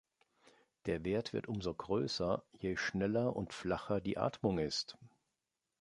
Der Wert wird umso größer, je schneller und flacher die Atmung ist.